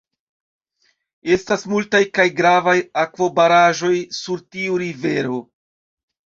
Estas multaj kaj gravaj akvobaraĵoj sur tiu rivero.